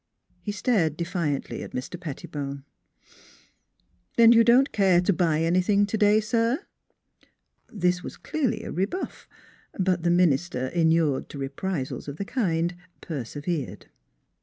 He stared defiantly at Mr. Pettibone. " Then you don't care to buy anything today, sir?" This was clearly a rebuff; but the minister inured to reprisals of the kind persevered.